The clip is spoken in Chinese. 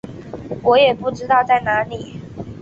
我也不知道在哪里